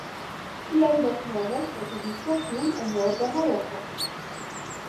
Tiaj loknomoj ekzistas nun en norda Maroko.